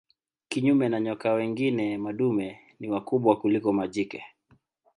Kinyume na nyoka wengine madume ni wakubwa kuliko majike.